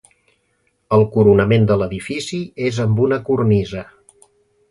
El coronament de l'edifici és amb una cornisa.